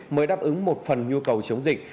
mới đáp ứng một phần nhu cầu chống dịch